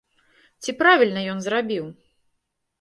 Ці правільна ён зрабіў?